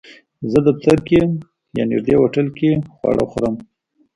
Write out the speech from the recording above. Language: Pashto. زه دفتر کې یا نږدې هوټل کې خواړه خورم